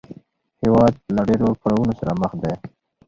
هېواد له ډېرو کړاوونو سره مخ دی